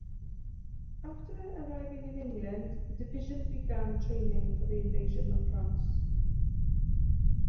After arriving in England, the division began training for the invasion of France.